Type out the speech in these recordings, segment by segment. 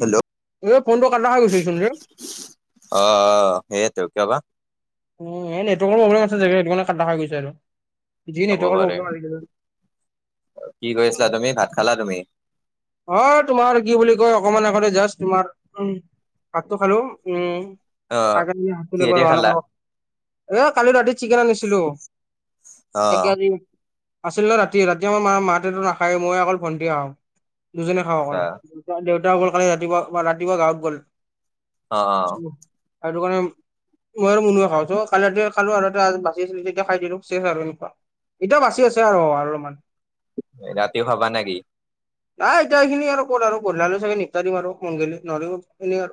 Hello এ, ফোনটো কটা হৈ গৈছে অ', সেইটো কিয় বা? উম, নেটৱৰ্কৰ প্ৰব্লেম আছেে, সেইটো কাৰণে কাটা হৈ গৈছে আৰু। জি হ'ব নেটৱৰ্ক পাৰে কি কৰি আছিলা প্ৰব্লেম তুমি ভাত খালা তুমি? অ', তোমাৰ কি বুলি কয়, অকমান আগতে জাষ্ট তোমাৰ উ ভাতটো খালো, উম। অ আ হ এ [unintelligible] কিহেদি খালা কালি ৰাতি চিকেন আনিছিলোঁ অ', আছিল ন', ৰাতি ৰাতি আমাৰ মা মাহঁতেতো নাখায়, মই অকল ভণ্টি দুজনে খাওঁ আচ্ছা অকল, দে দেউতা গ'ল কালি ৰাতিপুৱা বা ৰাতিপুৱা গাঁৱত গ'ল। অ অ সেইটোকাৰণে মই আৰু মোনোহে খাওঁ ত', ৰাতি খালো আৰু বাচি আছিলো, তেতিয়া খাই দিলো শেষ আৰু এনেকুৱা। এতিয়াও বাচি আছে, আৰু আৰু অলপমান। ৰাতিও খাবা নেকি? নাই এতিয়া সেইখিনি আৰু কৰ'ত আৰু বধলাল [unintelligible] চাগে নিপাৰিম আৰু মংগী ন এনেলা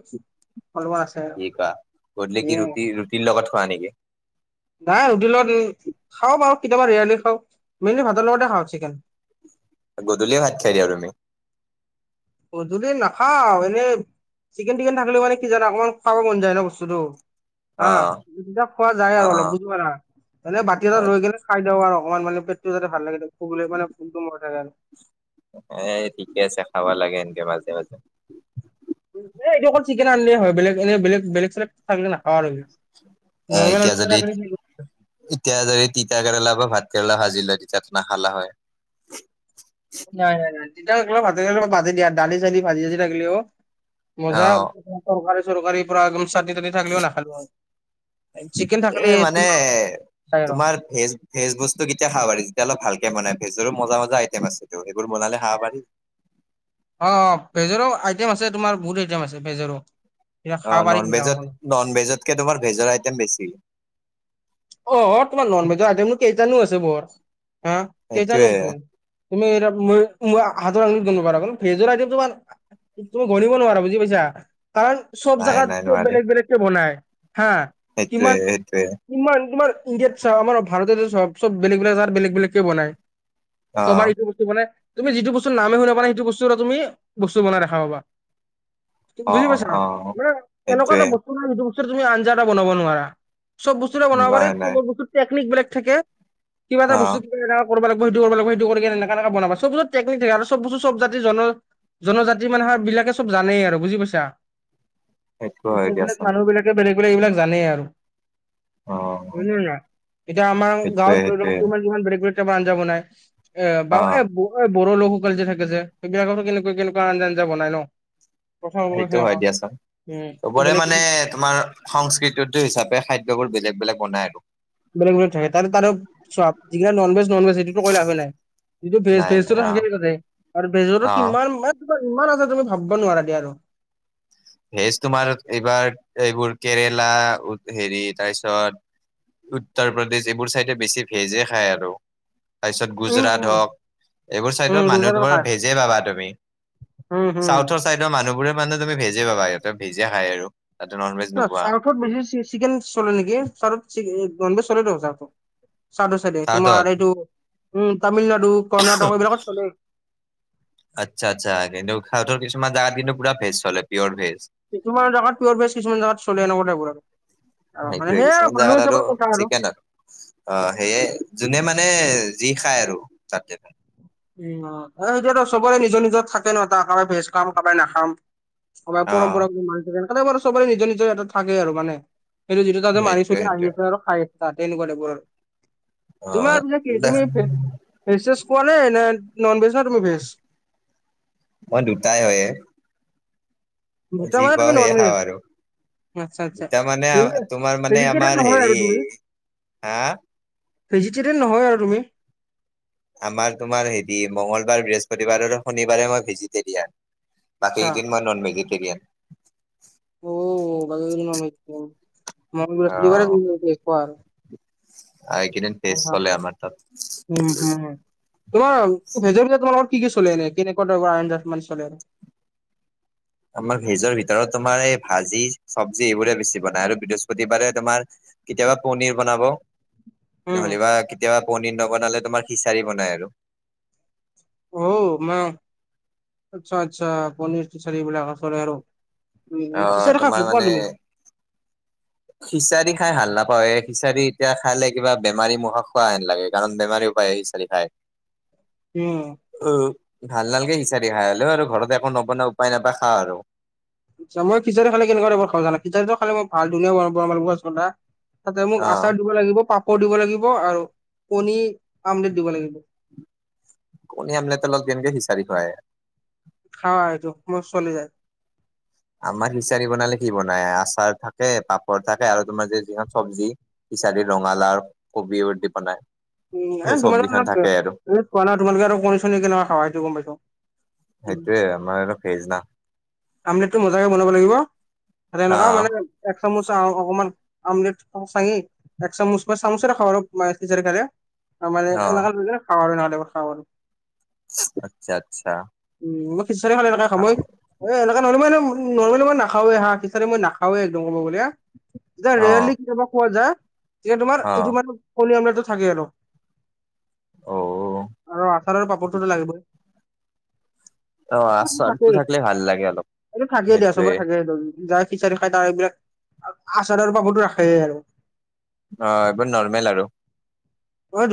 আছে [unintelligible] গধুলি কি উম, ৰুটি, ৰুটিৰ লগত খোৱা নেকি? নাই ৰুটি লগত, খাওঁ বাৰু কেতিয়াবা ৰেয়াৰলি খাওঁ। মেইনলি ভাতৰ লগতে খাওঁ চিকেন। গধূলিয়ে ভাত খাই দিয়া তুমি। পধূলি নাখাওঁ, এনেই চিকেন টিকেন থাকিলে মানে কি জানা, অকমান খাব মন যায় ন', বস্তুটো। অ হা খোৱা যায় অ আৰু অলপ বুজ [unintelligible] পা না এ বাতি অ এটা ৰৈ গ'লে খাই দিওঁ আৰু অকণমানানে পেটটো যাতে ভাল লাগে, ভাল মানে ভোগটো মৰি থাকে আৰু। এ, ঠিকে আছে খাব লাগে এনকে মাজে মাজে। এ, এইটো অকল চিকেন আনিলিয়ে হয়, বেলেগ এনে বেলেগ বেলেগ চেলেগ চাক নাখওঁ আৰু, এ নৰ্মেল এতিয়া যদি এতিয়া যদি তিতা কেৰেলা, বা ভাত কেৰেলা ভাজি লয়, তেতিয়া, নাখালা হয়। নাই নাই নাই, তেতিয়া ভা ভাজি দিয়া দালি চালি ভাজি যদি থাকিলেও মজা, অ টৰকাৰী চৰকাৰীৰ পৰা একদম চাটনি তাতনি থাকিলেও নাখালো আৰু এ', মানে তোমাৰ ভেজ, ভেজ বস্তু কেতিয়া খাব পাৰি, যেতিয়া অলপ ভালকে বনাই ভেজৰো মজা মজা আইটেম আছেটো, সেইবোৰ বনালে খাব পাৰি। অ অ', ভেজৰো আইটেম আছে তোমাৰ বহুত আইটেম আছে ভেজৰো, অ খাব পাৰি নন এই ভেজত বিলাকো। নন ভেজতকে, তোমাৰ ভেজৰ আইটেম বেছি। অ অ', তোমাৰ ননভেজৰ আইটম নো কেইটা নো আছে, বৰ হা সেইটোয়ে কেইটানো আছে। তুমি হাতবাৰ [unintelligible] ভেজৰ আহটম তোমাৰ তুমি গনিব নোৱাৰা বুজি পাইছা। কাৰণ চব নাই নাই জাগাত, বেলেগ বেলেগক বনায় হা সেইটোৱে কিমান সেইটোৱে। ইমান, তোমাৰ ইণ্দিয়াত চা, আমাৰ ভাৰততে চব বেলেগ বেলেগ জেগাত বেলেগ বেলেগকে বনায়। অ [unintelligible] তো মানে তুমি যিটো বস্তুৰ নামে শুনা পোৱা নাই সেইটো বস্তুৰো তুমি বস্তু বনাই দেখা পাবা। অ বুজি অ পাইছা, অ মানে এনেকুৱা সেইটোয়ে এটা বস্তু কোনো এটা বস্তুৰ তুমি আঞ্জা এটা বনাব নোৱাৰা, চব বস্তুৰে বনাবা বাট নাই নাই বস্তুৰ টেকনিক বেলেগ থাকে, কিবা এটা অ বস্তু কেনেকা কৰিব লাগিব সেইটো কৰিব, সেইটো কৰি এনে এনেকা বনাবা, চব বস্তুত টেনিক থাকে আৰু চব বস্তু চব জাতি জনা জনজাতি মানে বিলাকে চব জানেই আৰু বুজি পাইছা? সেইটো হয় এইলেগ বেলেগ দিয়াচোন মানুহবিলাকে বেলেগ বেলেগ এইবিলাক জানেই আৰু। অ হয় নে নাই? এতিয়া আমাৰ সেইটোয়ে গাঁৱত ধৰি সেইটোয়ে লওক ইমান বেলেগ বেলেগকে আঞ্জা বনাই। এ, বা, অ এ, বু এ, বড়ো লোকসকল যে থাকে যে সেইবিলাককো কেনেকুৱা কেনেকুৱা আঞ্জা আঞ্জা বনাই ন'? প্ৰথম অৱস্থাত সেইটো হয় সেনেকুৱা। দিয়াচোন। উম চবৰে বেলেগ মানে বেলেগ তোমাৰ সংস্কৃতি উদ্য হিচাপে খাদ্যবোৰ বেলেগ বেলেগ বনাই আৰু। বেলেগ বেলেগ থাকে, তা-তাৰে চোৱা যিবিলাক ননভেজ ননভেজ সেইটোতো কৈ লাভে নাই। যিটো ভেজ, নাই ভেজ নাই অ থাকেই তাতে আৰু ভেজটো অ কিমান মান ইমান আছে তুমি ভাবিব নোৱাৰা দিয়া আৰু। ভেজ তোমাৰ এইবাৰ এইবোৰ কেৰেলা হেৰি তাৰপিছত উত্তৰ প্ৰদেশ এইবোৰ চাইডে বেছি ভেজে খায় আৰু। তাৰপিছত উম গুজৰাট উম হওক এইবোৰ উম চাইডত মানুহ গুলবাৰৰ তোমাৰ খাৰ ভেজেই পাবা তুমি। উম, হুম। চাইইডৰ মানুহবোৰে মানে তুমি ভেজে পাবা, সিহঁতে ভেজে খাই আৰু তাতে ননভেজ নোপোৱা। ত'ত বেছি চিকেন চলে নেকি, তাৰ ননভেজ চলেটো। চাডো চাইডে চাউথত তোমাৰ এইটো উম, তামিলনাডু, কৰ্ণাটক এইবিলাকত চলে। আচ্ছা আচ্ছা, এনে উশাহতৰ কিছুমান জাগাত কিন্তু পুৰা ভেজ চলে, পিয়ৰ ভেজ। কিছুমান জাগাত পিয়ৰ ভেজ, কিছুমান জেগাত চলেনে লাগিব আৰু। অ মানে সেইটোৱে, সেই কিছুমান মানুহ জাগাত আৰু হিচাপৰ কথা চিকেন আৰু। অ' সেয়া, যোনে মানে যি খায় আৰু তাতে খাই। উ, এতিয়াতো চবৰে নিজৰ নিজৰ থাকে ন' তাৰ কাৰোবাই ভেজ খাম কাৰোবাই নাখাম। চবাৰ অ পৰম্পৰাগ মানি থাকে বাৰু চবৰে নিজৰ নিজৰ ইয়াতে থাকে আৰু মানে। সেইটো যিটো তাতে মাৰি সেইটোৱে চলি সেইটোৱে আহি আছে আৰু খাই আছে তাতে এনেকুৱা টাইপৰ আৰু। অ তোমাৰ পিছে কি, দেখ তুমি ভেজ চেজ খোৱানে নে ননভেজ না তুমি ভেজ? মই দুটাই হয়। দুটা মানে তুমি সেয়ে খাওঁ ননভেজ। আৰু আচ্ছা আচ্ছা, দুটা মানে হেইজে তোমাৰ মানে হেৰি আমাৰ কিতে আৰু হেৰি তুমি। হা ভেজিটেৰিয়ান নহয় আৰু তুমি। আমাৰ তোমাৰ হেৰি মংগলবাৰ, বৃহস্পতিবাৰ আৰু শনিবাৰে মই ভেজিটেৰিয়ান, আচ্ছা বাকীদিন ননভেজিটেৰিয়ান। অ [unintelligible] আ, এইকেইদিন ভেজ চলে আমাৰ তাত। উম, হুম, হুম, তোমাৰ ভেজৰ তোমালোকৰ কি কি চলে এনে কেনেকুৱা ধৰণৰ আঞ্জা মানে চলে আৰু? আমাৰ ভেজৰ ভিতৰত তোমাৰ এই ভাজি, চব্জি এইবোৰে বেছি বনাই আৰু বৃহস্পতিবাৰে তোমাৰ কেতিয়াবা পনিৰ বনাব উম, নহ'লেবা কেতিয়াবা পনিৰ নবনালে তোমাৰ খিচাৰি বনাই আৰু। অ' মা আচ্ছা আচ্ছা, পনীৰ, খিচাৰি চলে আৰু। উ, অ খিচাৰি খাই তোমাৰ ভাল মানে পোৱা তুমি? খিচাৰি খাই ভাল নাপাৱে, খিচাৰি এতিয়া খালে কিবা বেমাৰী মুখত খোৱাহেন লাগে কাৰণ বেমাৰীও খিচা ৰি খায়। উম। অ' ভাল নালাগে খিচাৰি খাই, হ'লেও আৰু ঘৰত একো নবনাই উপায় নাপায় খাও আৰু। মই খিচাৰী খালে কেনেকুৱা টাইপৰ খাও জানা, খিচাৰিটো খালে মই [unintelligible] তাতে মোক অ'। আচাৰ দিব লাগিব, পাপৰ দিব, লাগিব আৰু কণীৰ আমলেট দিব লাগিব। কণী আমলেটৰ লগত কেনকে খিচৰি খোৱা হে? খাও আৰু এইটো, মোৰ চলি যায়। আমাৰ খিচাৰী বনালে কি বনাই, আচাৰ থাকে, পাপৰ থাকে, আৰু তোমাৰ যে যিখন চব্জি খিছাৰী, ৰঙালাও, কবিও দি বনায়। উম, এ তোমাৰ অলপ খোৱা নাই, তোমালোকে আৰু কণী চনী কেনেকুৱা খাৱ, সেইটো গম পাইছ। সেইটোয়ে আমাৰ আৰু ভেজ না। কমলেটটো মজাকে বনাব লাগিব, ত এনেকুৱা অ' মানে এক চামুচ [unintelligible] এক চামুচ বা চামুচেৰে খাওঁ, আৰু খালে মানে অ' এনেকুৱা ল খাওঁ আৰু নহ'লে খাওঁ আৰু আচ্ছা আচ্ছা। উম, মই খিচাৰ খাল এনেকা খাও মই খাওঁ এ, এনেকা নৰ্ম-নৰ্মেলি মই নাখাওে, হাঁ খিচাৰি মই নাখাওঁ এই একদম ক'ব গ'লে। যেতিয়া, ৰেয়াৰলি অ'। কেতিয়াবা খোৱা যায়, তেতিয়া তোমাৰ এইটো অ' মানে কণী আমলটো থাকেই আৰু, অ' আৰু আচাৰৰ পাপৰটো তো লাগিবই। অ' আচাৰটো থাকেই, থাকিলে ভাল লাগে অলপ। এইটো থাকেই দিয়া সেইটোয়ে চ'বই থাকে সেইটো যা খিচাৰি খাই তাৰ এইবিলাক, আচাৰৰ পাপৰটো ৰাখে আৰু। অ, এইবোৰ নৰ্মেল আৰু। [unintelligible]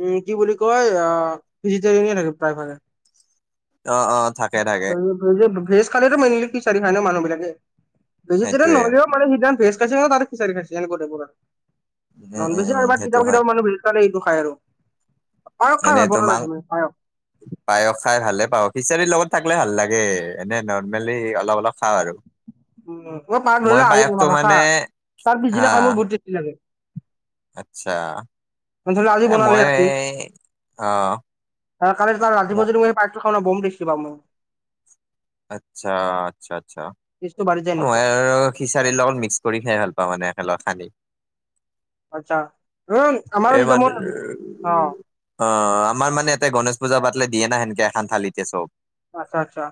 উম, কি বুলি কয়? আহ, ভিজিটৰিনে থাকে প্ৰায় ভাগ। অ, অ, থাকে থাকে। ভেজ-ভেজ খালে মেইনলি খিছাৰী খাই ন, মানুহ বিলাকে ভেজিটেৰিয়ান সেইটোয়ে। নহ'লেও মানে যি দিনা [unintelligible] খিচাৰী খাইছে এনেকুৱা টাইপৰ উম, উম, উম, সেইটো [unintelligible] হয়। খায় আৰু। পায়স খাই ভাল এনেটো পোৱা নে নাই মাং তুমি পায়স? পায়স খাই ভালে পাওঁ, খিচাৰীৰ লগত থাকিলে ভাল লাগে, এনে নৰ্মেলি অলপ, অলপ খাওঁ আৰু। [unintelligible] মই পায়সটো মানে পিছদিনা হা খাই মোৰ বহুত টেষ্টি লাগে। আচ্ছা ধৰি লোৱা আজি এ, বনালে মইএ অ, [unintelligible] বোম ট্ৰাষ্টে পাওঁ মই। আচ্ছা, আচ্ছা, আচ্ছা। টেষ্টটো বাঢ়ি যায় এনেকুৱা, খিচাৰী লগত মিক্স কৰি খাই ভাল পাওঁ, একেলগ সানি। আচ্ছা, আমাৰ এই যজ মানে ম অ, অ, আমাৰ মানে এতে গণেশ পূজা পাতলে দিয়ে না, সেনকে এখন থালিতেই চ'ব। আচ্ছা, আচ্ছা,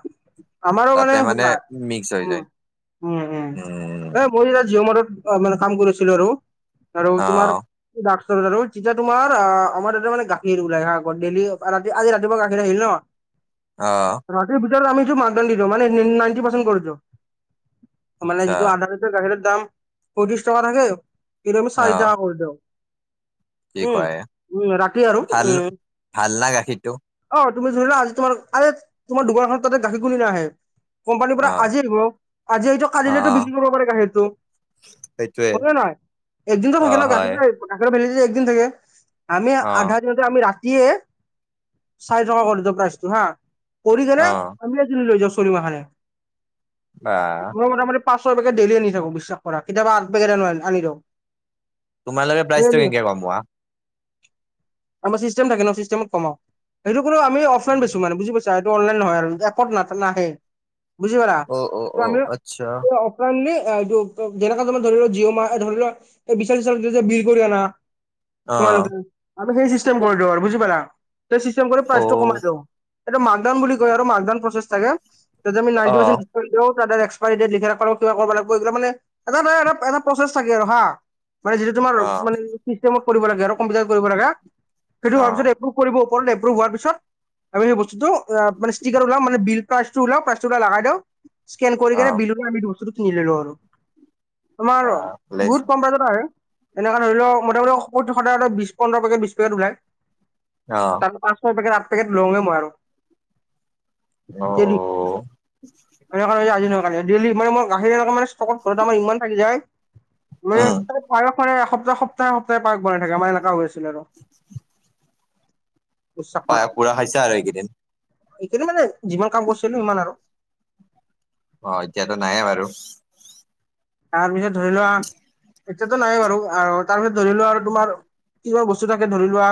আমাৰো মানে তাতে সোনা, মিক্স হৈ উম, যায় উম, উম। মই জিঅ, মদত মানে কাম কৰিছিলো আৰু, আৰু অ তোমাৰ [unintelligible] তেতিয়া তোমৰ আ, আমাৰ তাতে মানে গাখীৰ ওলাই আহ আ, ডেলি ৰাতি আজি ৰাতিপুৱা গাখীৰ আহিল ন অ, ৰাতি ভিতৰত আমি যটো [unintelligible] দি দিওঁ মানে নাইনটি পাৰ্চেন্ট কৰি কৰি দিও, মানে আচ্ছা যিটো আধা বাহিৰত দাম, পয়ত্ৰিশ টকা থাকে, কিন্তু আমি অ চাৰি টকা কৰি দিওঁ। কি উম, কয় উম, ৰাতি আৰু ভাল উম, ভাল না গাখীৰটো অ, তুমি ধুৰিলোৱা, আজি তোমাৰ আৰে তোমাৰ দোকানখনত তাতে গাখীৰ কুলি নাহে। কোম্পানীৰ অ', পৰা আজি আহিব, আজি এইটো অ', কালিলেতো অ', বিক্ৰী কৰিব পাৰে গাখীৰতটো। সেইটোৱে হয়নে ন নহয়, একদিনতো থাকিল অ', ন, হয় গাখীৰটো। গাখীৰৰ ভেলিদিটি‌ একদিন থাকে আমি অ', আধাৰ আমি ৰাতিয়ে, চাৰি টকা কৰি প্ৰাইজটো হা কৰি কেনে, অ', আমি বা [unintelligible] পাঁছ বেগে ডেইেলি আনি থাকো বিশ্বাস কৰা, কেতিয়াবা আঠবেগ আনি দিওঁ। তোমালোকে প্ৰাইজটো ডেইলি কেনেকে কমোৱা? আমাৰ চিষ্টেম থাকে ন, চিষ্টমট কমাও, সেইটো কোন আমি অফলন বেচো মানে বুজ পাইছে। চাএইটো অনলাই নহয় আৰু এপত নাহে বুজি পা, অ', অ', অ', আমি আচ্ছা এইটো যেনেককা ধমাৰ ধৰি ল জিঅ মাহ ধৰি লোৱা বিচাৰচ যে বিল কৰি আনা অ', তোমালোকে আমি চিষ্টম কৰি আৰু বুজি পালা কৰি প্ৰাইটো অ', কমাই দিওঁ। এটো মাকডন বুলি কয় আৰু মাকডউন প্ৰচেছ থাকোতে আম নাইনটি অ', পাৰ্চেণ্ ত এক্সপাইৰি ডেট লিখা থাকবা কিবা কৰিব লাগিব এইগীলা মানে এটা অলপ এটা প্ৰচেছ থাকে আৰু হা। মানে যিটো তোমাৰ অ', মানে চিচতেমত কৰিব লাগে আৰু কম্পিউটাৰত কৰিব লাগে সেইটো হোৱাৰ অ', পিছত এপ্ৰুভ কৰিব ওপৰত এপ্ৰুভ হোৱাৰ পিছত আমিই সেই বস্তুটো মানে ষ্টিকাৰ ওলাম মানে বিল প্ৰাইচ টো উলাও প্ৰাইচটো উলিয়াই লগাই দিও স্কেন কৰি কেনে অ', বিল [unintelligible] বস্তুটো কিনি লৈ লওঁ আৰু তোমাৰ বা ভালেচোন বহুত কম প্ৰাইচত আহে। এনেকা ধৰি লওক মটা মটি স সদায় বিশ পন্ধৰ পেকেট বিশ পেকেট ওলায়। অ'। তাত পাঁশ ছয় পেকট আঠ পেকেট লঙে মই আৰু। অ', জেলি। অ', সেনেক নহয় যে আজি নহয় কালি ডেইলী মানে মই [unintelligible] স্তকত ঘৰত আমাৰ ইমান থাকি যায়। মানে উম, পায়স এসপ্তাহ সপ্তাহ এসপ্তাহ পায়স বনাই থাকে আমাৰ এনেকা হৈছিল আৰু। পায়স পুৰা খাইছা আৰু এইকেইদিন। এইকেদিন মানে যিমান কাম কৰিছিলো সিমান আৰু। অ', এতিয়াতো নাইে বাৰু। তাৰপিছত ধৰি লোৱা। এতিয়াতো নাই বাৰু, তাৰপিছত ধৰি লোৱা আৰু তোমাৰ কিছুমান বস্তু থাকে ধৰি লোৱা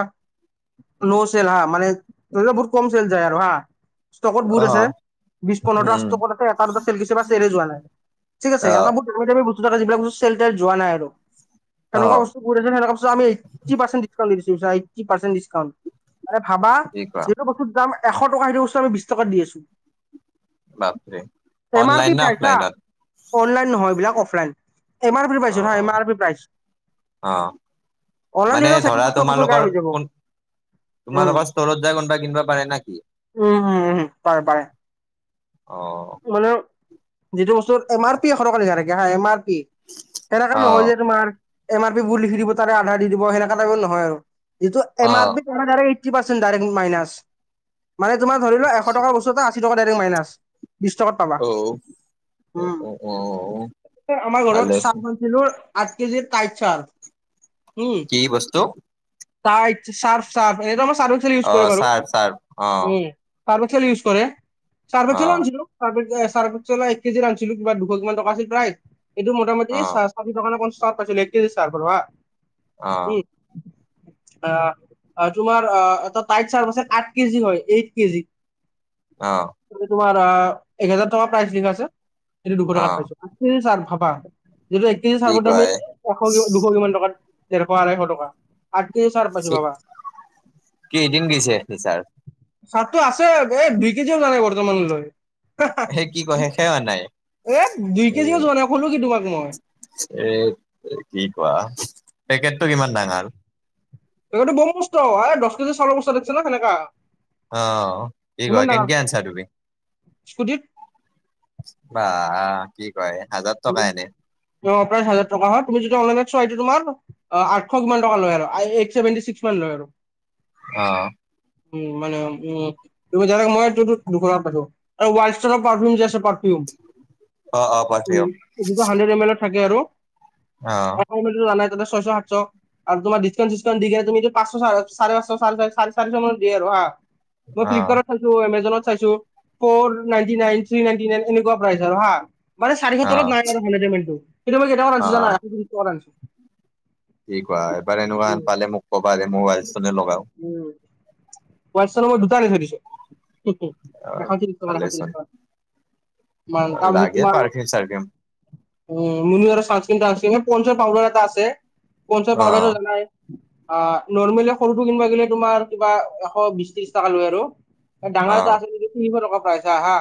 ন' চেল হা মানে বহুত কম চেল যায় আৰু হা। ষ্টকত বহুত আছে অ', বিশ উম, পোন্ধৰটা উম, ষ্টকত আছে এটা দুটা চেল গৈছে বা ছেলে যোৱা নাইে ঠিক আছে এনেকা অ', বহুত [unintelligible] বস্তু থকা যিবিলাক বস্তু চেল যোৱা নাই আৰু তেনেকুৱা অ', বস্তু [unintelligible] এইথটি পাৰ্চেন্টে ডিছকাউণ্ট দি দিছোঁ বুজিছা, এইথটি পাৰ্চেন্টে ডিছকাউণ্ট মানে, ভাবা কি কোৱা। যিটো বস্তু দাম এশ টকা সেইটো বস্তু আমি বিশ টকাত দি আছো। বাপৰে আৰ পি অননলাইন নে প্ৰাইচ হা অফলাইনত? অনলাইন নহয় এইবলাক অফলাইন, এম আৰ পি প্ৰাইচত অ', হা এম অ', আৰ পি প্ৰাইচ। অ', অনলাইন মানে দিলে ধৰা ছেকেণ্ডত চব বস্তু গায়েৱ তোমালোকৰ হৈ যাব। কোন উম তোমালোকৰ স্তৰত যায় কোনোবাই কিনিবা পাৰে নে কি? উম, উম, উমম, পাৰে পাৰে। অ'। মানে যিটো বস্তুৰ এম আৰ পি এশ টকা লিখা থাকে হা এম আৰ পি। সেনেকা অ', নহয় যে তোমাৰ এম আৰ পি বোৰ লিখি দিব তাৰে আধা দি দিব সেনেকা টাইপৰ নহয় আৰু। যিটো অ', এম আৰ অ', পি [unintelligible] এইটি পাৰ্চেণ্ট ডাইৰেক্ট মাইনাচ। মানে তোমাৰ ধৰি লোৱা এশ টকাৰ বস্তু এটা আশী টকা ডাইৰেক্ট মাইনাচ। বিশ টকাত পাবা, অ', উম, অ', অ', আমাৰ ভালে ঘৰত আছে। চাহ কিলোৰ আঠ কেজি [unintelligible] চাৰ কি বস্তু? টাইড চাৰফ চাৰফ এনেটো আমাৰ চাৰফএক্সেল ইউজ কৰে অ', বাৰু চাৰ্ফ চাৰ্ফ অ', উম। চাৰফ এক্সেল ইউজ কৰে ছাৰ্ফ এক্সেল অ', আছিলো। ছাৰ্ফ এক্সেল ছাৰ্ফ এক্সেলৰ এক কেজি আনিছিলো দুশ কিমান টকা আছিল প্ৰায় এইটো মোটামুি অ', চা ষাঠি টকা নে পঞ্চাছ টকাত পাইছিলোঁ এক কেজি ছাৰ্ফট হা অ', উম। অ', তোমাৰ আহ এটা টাইট ছাৰ্ফ আঠ কেজি হয় এইট কেজি। অ'। তোমাৰ এক হেজাৰ টকা প্ৰাইচ লিখা আছে সেইটো দুশ টকাত অ', পাইছো। [unintelligible] কেজি ছাৰ্ফ ভাবা যিটো এক কেজি কি ছাৰ্ফৰ দামে কয় এশ দুশ কিমান টকাত ডেৰশ আঢ়ৈশ টকা। আঠ কেজি ছাৰ্ফ পাইছো ভাবা। কেইদিন গৈছে ছাৰ ছাৰ্ফটো আছে এই দুই কেজিএ ওলোৱা নাই বৰ্তমানলৈ। সেই কি কোৱা শেষে হোৱা নাই। এই দুই এ কেজিও যোৱা নাই ক'লো কি তোমাক মই। এ কি কোৱা পেকেটটো কিমান ডাঙৰ? পেকেটটো বোম মস্ত হাই দহ কেজি চাউলৰ বস্তা দেখিছা না সেনেকা। অহ, কি কোৱা ইমান ডাঙৰ কেনকে আনছা তুমি? স্কুটিত। বা কি কয় এ, হাজাৰ টকা এনেই। আপোনাৰ হাজাৰ টকা হয়। তুমি যদি অনলাইন চোৱা এইটো তোমাৰ অহ, আঠশ কিমান টকা লয় আৰু এইট ছেভেনটি ছিক্স মান লয় আৰু। অহ। উম, মানে উম। তুমি জানা‌ এইটো দুশ টকাত পাইছোঁ আৰু ওৱষ্টানৰ পাৰ্ফিউম যে আছে পাৰ্ফিউম। অহ', অহ'। উম, যিটো হাড্ৰেড এম এল অত থাকে আৰু অ', তুমিতো‌ জানাই তাতে ছয়শ সাতশ। আৰু তোমাৰ ডিছকাউণ্ট-চিছকাউণ্ট দি কেনে তুমিটো পাঁশ, চাৰে পাঁশ, চাৰে চাৰিশ মান দিয়ে আৰু হা। মই অ', ফ্লিপকাৰ্টত চাইছোঁ, এমেজনত চাইছোঁ, for ninety nine, three ninety nine, এনেকুৱা প্ৰাইচ আৰু হা। মানে চাৰিশ তলত অ', নাই আৰু হালধীয়া মেনটো কিন্তু মই কেই টকাত আনছো অ', জানা এশ ত্ৰিশ টকাত আনছো। কি কোৱা। এবাৰ এনেকুৱান পালে মোক ক'বা যে মোবাইল ষ্টনে লগাওঁক। [unintelligible] দুটা‌ আনি থৈ দিছোঁ, এশত্ৰিশ টকাত এশত্ৰিশ ভালেচোন টকাত। মান তাৰপিছত লাগে তোমাৰ পাৰফিউম চাৰফিউম উম, মুনা আৰু চানস্ক্ৰীণ-তানস্ক্ৰীণ আৰু পঞ্চৰ পউাদাৰ এটা আছে পঞ্চৰ অ পাউদাৰতো‌ যেনাই। অহ, নৰ্মেলি সৰুটো কিনবা গিলে তোমাৰ, কিবা এশ বিশ ত্ৰিশ টকা লৈ আৰু। অ ডাঙৰটো আছে সেইটো তিনিশ টকা প্ৰাইছ হা।